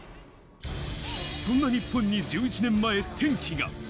そんな日本に１１年前、転機が。